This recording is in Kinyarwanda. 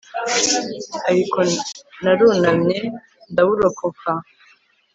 ariko narunamye ndawurokoka